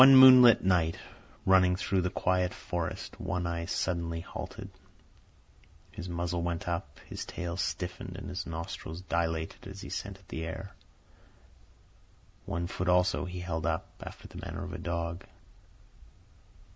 One moonlight night, running through the quiet forest, One Eye suddenly halted. His muzzle went up, his tail stiffened, and his nostrils dilated as he scented the air. One foot also he held up, after the manner of a dog.